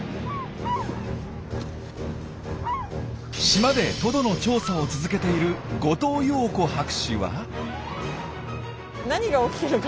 島でトドの調査を続けている後藤陽子博士は。